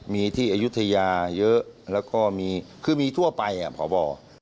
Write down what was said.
มีที่อยุธยาเยอะแล้วก็มีคือมีทั่วไปอ่ะขอบ่อ